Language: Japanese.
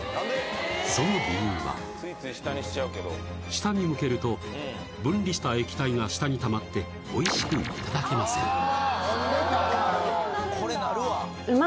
その理由は下に向けると分離した液体が下にたまっておいしくいただけませんだからこうなるんだ